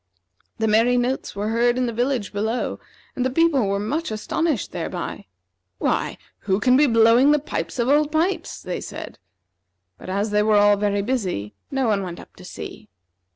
The merry notes were heard in the village below, and the people were much astonished thereby. "Why, who can be blowing the pipes of Old Pipes?" they said. But, as they were all very busy, no one went up to see.